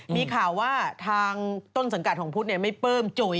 มีข่าวว่าทางต้นสังกัดของพุทธไม่ปลื้มจุ๋ย